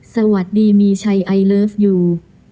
สวัสดีมีชัยไอเลิฟยู